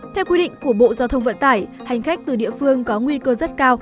theo quy định của bộ giao thông vận tải hành khách từ địa phương có nguy cơ rất cao